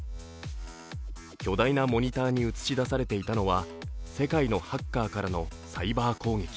巨大なモニターに映し出されていたのは世界のハッカーからのサイバー攻撃。